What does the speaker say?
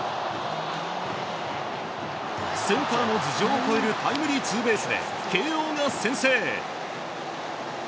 センターの頭上を越えるタイムリーツーベースで慶應が先制。